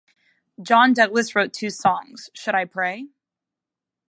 John Douglas wrote two songs, Should I Pray?